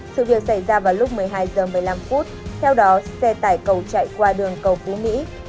sự việc xảy ra vào lúc một mươi hai h một mươi năm theo đó xe tải cầu chạy qua đường cầu phú mỹ